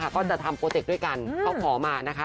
ก็จะทำโปรเจคด้วยกันเขาขอมานะคะ